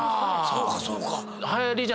そうかそうか。